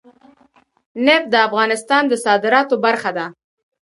نفت د افغانستان د صادراتو برخه ده.